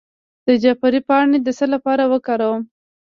د جعفری پاڼې د څه لپاره وکاروم؟